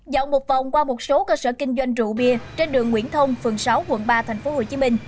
dạo một vòng qua một số cơ sở kinh doanh rượu bia trên đường nguyễn thông phường sáu quận ba tp hcm